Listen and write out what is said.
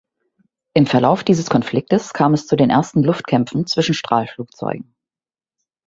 Im Verlauf dieses Konfliktes kam es zu den ersten Luftkämpfen zwischen Strahlflugzeugen.